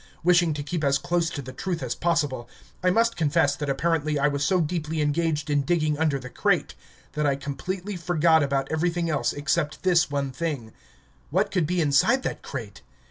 Wishing to keep as close to the truth as possible, I must confess that apparently I was so deeply engaged in digging under the crate that I completely forgot about everything else except this one thing: What could be inside that crate?